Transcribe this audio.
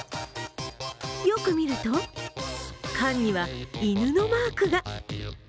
よく見ると、缶には犬のマークが。